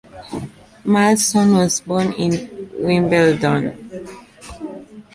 Malleson was born in Wimbledon.